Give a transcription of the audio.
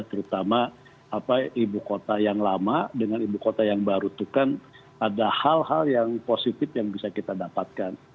terutama ibu kota yang lama dengan ibu kota yang baru itu kan ada hal hal yang positif yang bisa kita dapatkan